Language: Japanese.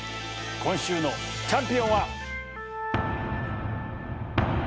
今週のチャンピオンは。